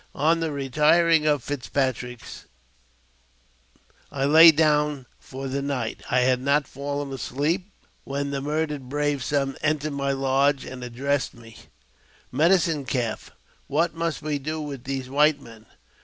On the retiring of Fitzpatrick I lay down for the night. I had not fallen asleep, when the murdered brave's son entered my lodge, and addressed me :" Medicine Calf, what must we do with these white men?